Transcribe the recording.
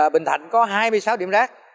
bình thạnh có hai mươi sáu điểm rác